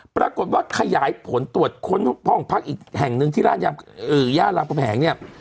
ปรากฏว่าขยายผลตรวจค้นห้องพักอีกแห่งหนึ่งที่ย่านรามกำแหงเนี่ย